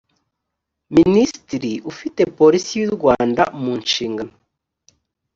minisitiri ufite polisi y u rwanda mu nshingano